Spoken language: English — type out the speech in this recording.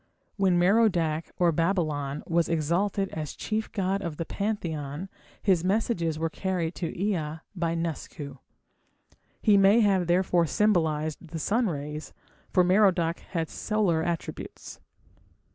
When Merodach or Babylon was exalted as chief god of the pantheon his messages were carried to Ea by Nusku. He may have therefore symbolized the sun rays, for Merodach had solar attributes.